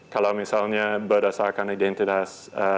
kalau misalnya berdasarkan identitas